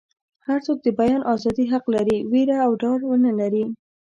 هر څوک د بیان ازادي حق لري ویره او ډار ونه لري.